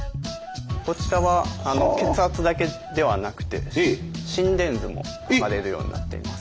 こちらは血圧だけではなくて心電図も測れるようになっています。